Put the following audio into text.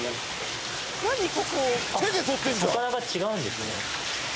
魚が違うんですね。